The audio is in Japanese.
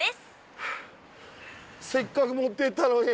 せっかく持ってったのに。